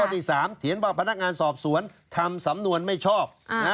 ที่๓เถียนว่าพนักงานสอบสวนทำสำนวนไม่ชอบ